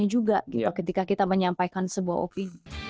juga ketika kita menyampaikan sebuah opi